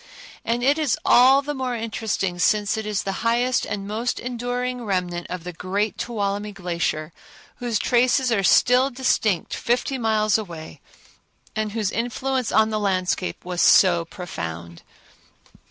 And it is all the more interesting since it is the highest and most enduring remnant of the great Tuolumne Glacier, whose traces are still distinct fifty miles away, and whose influence on the landscape was so profound.